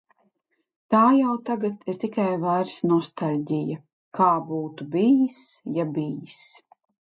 Tā jau tagad ir tikai vairs nostalģija, kā būtu bijis, ja bijis...